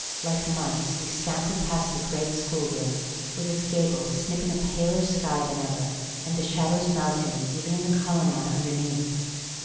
Like mice we scampered past the great schoolroom, with its gable snipping a paler sky than ever, and the shadows melting even in the colonnade underneath.